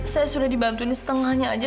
saya sudah dibagurin setengahnya aja